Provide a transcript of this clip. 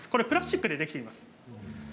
プラスチックでできています。